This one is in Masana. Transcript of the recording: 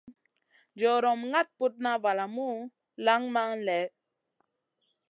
Jorom ŋaɗ putna valamu lanŋ man lèh.